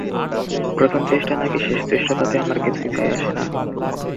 প্রথম চেষ্টা নাকি শেষ চেষ্টা তাতে আমার কিছুই যায় আসে না।